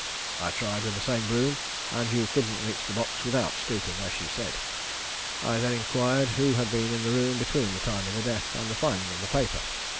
I tried with the same broom, and you couldn't reach the box without stooping, as she said. I then inquired who had been in the room between the time of the death and the finding of the paper.